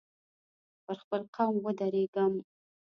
پر خپل قول ودرېږم.